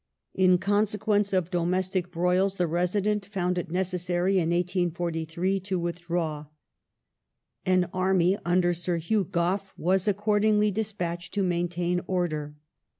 In consequence of domestic broils the Resident found it necessai y in 1843 to withdraw. An army under Sir Hugh Gough was, accordingly, despatched to maintain order.